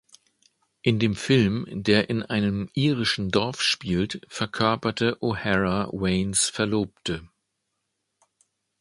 In dem Film, der in einem irischen Dorf spielt, verkörperte O’Hara Waynes Verlobte.